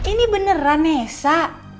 ini beneran nessa